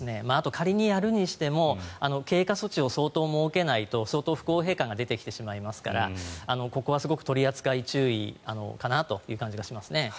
仮にやるにしても経過措置を相当設けないと相当、不公平感が出てきてしまいますからここはすごく取扱注意かなという感じがしますね。